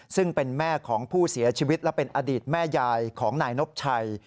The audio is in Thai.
ซึ่งเป็นแม่ของผู้เสียชีวิตและเป็นอดีตแม่ยายของนายนบชัย